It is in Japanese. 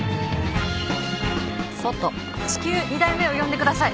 至急二代目を呼んでください。